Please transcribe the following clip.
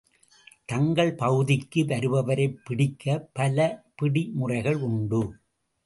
தங்கள் பகுதிக்கு வருபவரைப் பிடிக்க பல பிடி முறைகள் உண்டு.